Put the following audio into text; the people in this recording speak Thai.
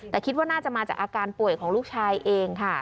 แต่คิดว่าน่าจะมาจากอาการป่วยของลูกชายเองค่ะ